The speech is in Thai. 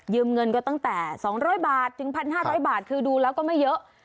เงินก็ตั้งแต่๒๐๐บาทถึง๑๕๐๐บาทคือดูแล้วก็ไม่เยอะ